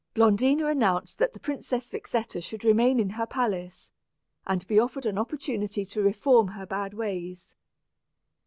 Blondina announced that the Princess Vixetta should remain in her palace, and be offered an opportunity to reform her bad ways.